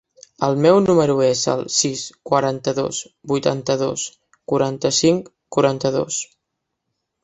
El meu número es el sis, quaranta-dos, vuitanta-dos, quaranta-cinc, quaranta-dos.